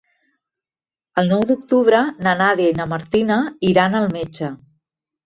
El nou d'octubre na Nàdia i na Martina iran al metge.